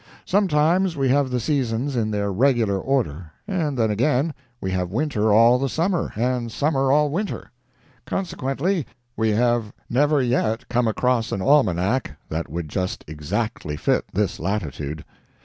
Sometimes we have the seasons in their regular order, and then again we have winter all the summer and summer all winter. Consequently, we have never yet come across an almanac that would just exactly fit this latitude.